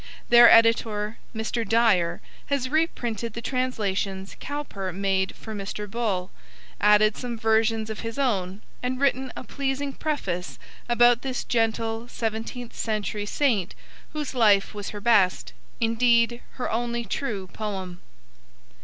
Their editor, Mr. Dyer, has reprinted the translations Cowper made for Mr. Bull, added some versions of his own and written a pleasing preface about this gentle seventeenth century saint whose life was her best, indeed her only true poem.